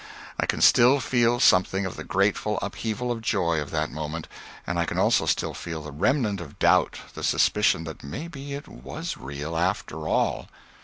I can still feel something of the grateful upheaval of joy of that moment, and I can also still feel the remnant of doubt, the suspicion that maybe it was real, after all.